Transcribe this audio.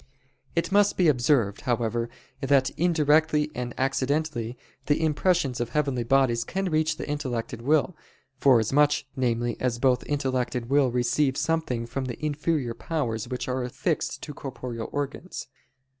It must be observed, however, that indirectly and accidentally, the impressions of heavenly bodies can reach the intellect and will, forasmuch, namely, as both intellect and will receive something from the inferior powers which are affixed to corporeal organs.